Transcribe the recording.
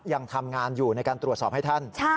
ยังทำงานอยู่ในการตรวจสอบให้ท่าน